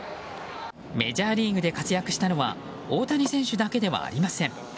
メジャーリーグで活躍したのは大谷選手だけではありません。